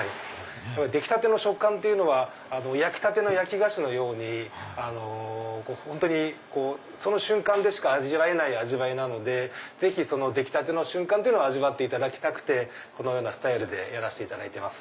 出来たての食感というのは焼きたての焼き菓子のように本当にその瞬間でしか味わえない味わいなのでぜひ出来たての瞬間っていうのを味わっていただきたくてこのようなスタイルでやらせていただいてます。